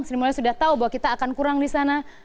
sri mulyani sudah tahu bahwa kita akan kurang di sana